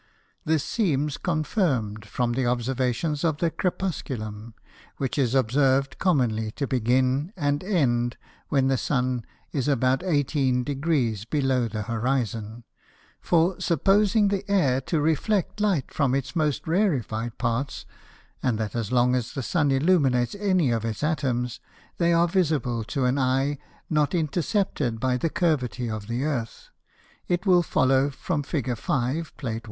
This seems confirm'd from the Observations of the Crepusculum, which is observ'd commonly to begin and end when the Sun is about 18 Degrees below the Horizon; for supposing the Air to reflect light from its most rarified Parts, and that as long as the Sun illuminates any of its Atoms, they are visible to an Eye not intercepted by the Curvity of the Earth, it will follow from _Fig. 5. Plate 1.